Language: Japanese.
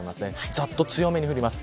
ざっと強めに降ります。